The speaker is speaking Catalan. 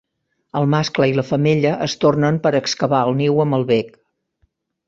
El mascle i la femella es tornen per excavar el niu amb el bec.